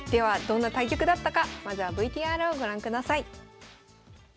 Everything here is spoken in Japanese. どんな対局だったかまずはＶＴＲをご覧ください。